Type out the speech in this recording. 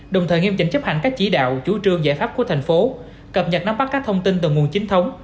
đồng thời nghiêm chỉnh chấp hành các chỉ đạo chủ trương giải pháp của thành phố cập nhật nắm bắt các thông tin từ nguồn chính thống